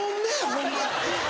ホンマ。